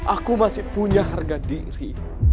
aku masih punya harga diri